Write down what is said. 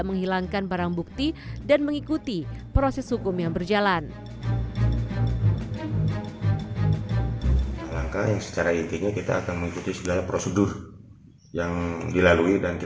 saya baru handphone yang diambil